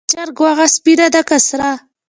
د چرګ غوښه سپینه ده که سره؟